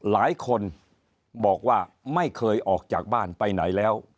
หลายคนบอกว่าไม่เคยออกจากบ้านไปไหนแล้ว